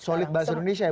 solid bahasa indonesia ya